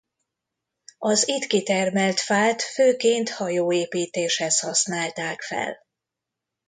Az itt kitermelt fát főként hajóépítéshez használták fel.